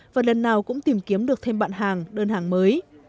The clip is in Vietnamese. và lần nào cũng tìm kiếm được thêm bạn hàng đơn hàng mới